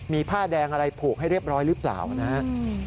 มีผ้าแดงอะไรผูกให้เรียบร้อยหรือเปล่านะครับ